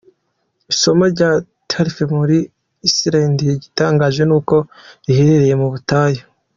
Isumo rya Dettifoss muri Islande : Igitangaje ni uko riherereye mu butayu.